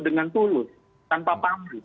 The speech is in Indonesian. dengan tulus tanpa pamrih